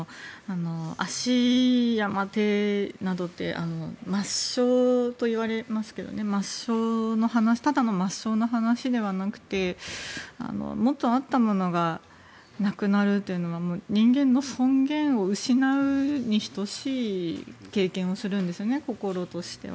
足や手などって末梢と言われますがただの末梢の話ではなくて元あったものがなくなるのは人間の尊厳を失うに等しい経験をするんですね心としては。